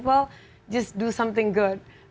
hanya lakukan sesuatu yang baik